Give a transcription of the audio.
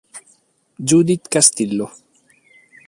Judith Castillo